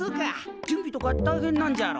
準備とか大変なんじゃろ？